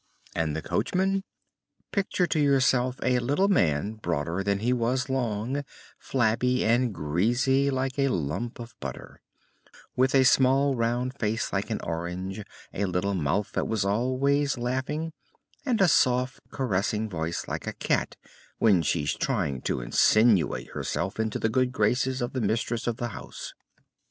And the coachman? Picture to yourself a little man broader than he was long, flabby and greasy like a lump of butter, with a small round face like an orange, a little mouth that was always laughing, and a soft, caressing voice like a cat when she is trying to insinuate herself into the good graces of the mistress of the house.